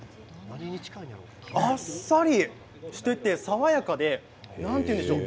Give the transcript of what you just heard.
あっさりしていて爽やかで何て言うんでしょう